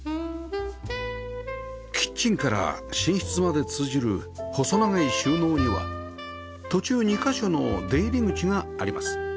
キッチンから寝室まで通じる細長い収納には途中２カ所の出入り口があります